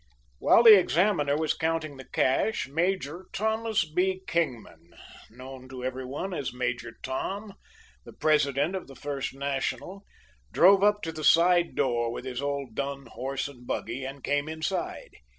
While the examiner was counting the cash, Major Thomas B. Kingman known to every one as "Major Tom" the president of the First National, drove up to the side door with his old dun horse and buggy, and came inside.